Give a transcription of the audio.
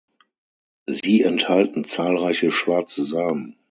Sie enthalten zahlreiche schwarze Samen.